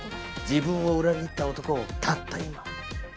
「自分を裏切った男をたった今殺した女」だな。